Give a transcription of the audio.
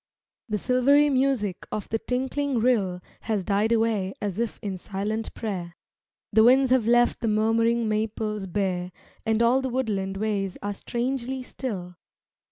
The silvery music of the tinkling rill Has died away as if in silent prayer; The winds have left the murmuring maples bare And all the woodland ways are strangely still.